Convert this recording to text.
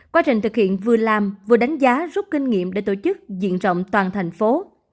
quá trình thực hiện vừa làm vừa đánh giá rút kinh nghiệm để tổ chức diện rộng toàn thành phố